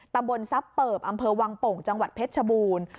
ตะบนซับเปิบอำเภอวังปงจังหวัดเพชรชบูรณ์